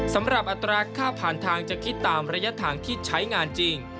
อัตราค่าผ่านทางจะคิดตามระยะทางที่ใช้งานจริง